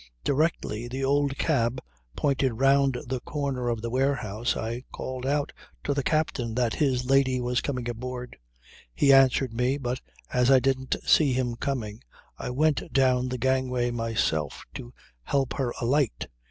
Directly the old cab pointed round the corner of the warehouse I called out to the captain that his lady was coming aboard. He answered me, but as I didn't see him coming, I went down the gangway myself to help her alight.